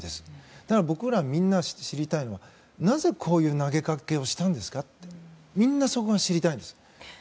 だから僕らみんなが知りたいのはなぜこういう投げかけをしたんですかとみんな、そこが知りたいんです。